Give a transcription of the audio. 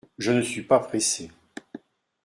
Je ne suis pas pressé.